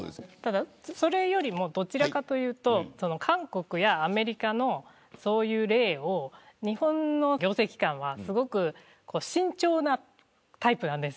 それよりも韓国やアメリカのそういう例を日本の行政機関はすごく慎重なタイプなんです。